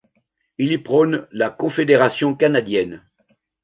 Il y prône la Confédération canadienne.